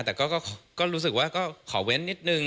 แต่ก็รู้สึกว่าก็ขอเว้นนิดนึง